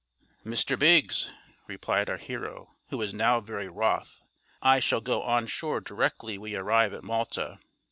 "Mr. Biggs," replied our hero, who was now very wroth, "I shall go on shore directly we arrive at Malta.